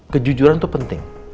kejujuran itu penting